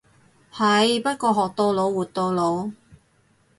係，不過學到老活到老。